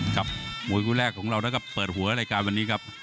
ครับมวยคู่แรกของเรานะครับเปิดหัวรายการวันนี้ครับ